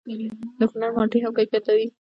د کونړ مالټې هم کیفیت لري.